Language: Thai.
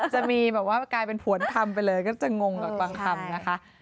จะมีแบบว่ากลายเป็นผวนทำไปเลยก็จะงงกับบางคำนะคะ